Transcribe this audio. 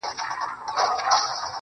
راسه دوې سترگي مي دواړي درله دركړم.